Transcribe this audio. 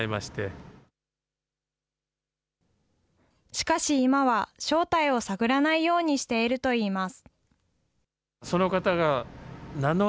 しかし今は、正体を探らないようにしているといいます。